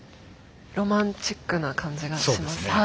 ロマンチックな感じがします。